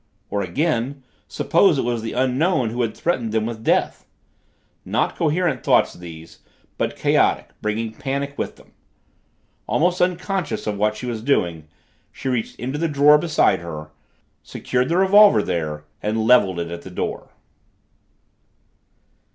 Or again, suppose it was the Unknown who had threatened them with death? Not coherent thoughts these, but chaotic, bringing panic with them. Almost unconscious of what she was doing, she reached into the drawer beside her, secured the revolver there and leveled it at the door.